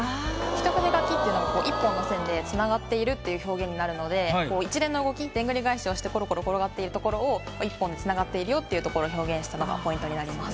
一筆書きっていうのが１本の線で繋がっているっていう表現になるので一連の動きでんぐり返しをしてコロコロ転がっているところを１本で繋がっているよっていうところを表現したのがポイントになります。